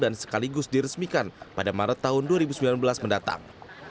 dan sekaligus diresmikan pada maret tahun dua ribu sembilan belas mendatang